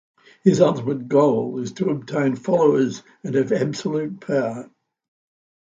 His ultimate goal is to obtain followers and have absolute power.